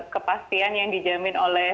kepastian yang dijamin oleh